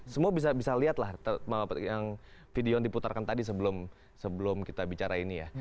semua bisa lihat lah yang video yang diputarkan tadi sebelum kita bicara ini ya